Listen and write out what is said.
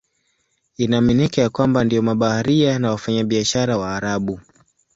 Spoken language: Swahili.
Inaaminika ya kwamba ndio mabaharia na wafanyabiashara Waarabu.